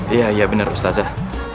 iya iya benar ustazah